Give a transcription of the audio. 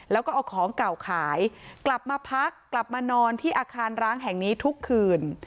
แล้วก็เอาของเก่าขายกลับมาพักกลับมานอนที่อาคารร้างแห่งนี้ทุกคืน